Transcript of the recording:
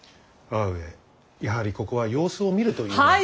母上やはりここは様子を見るというのは。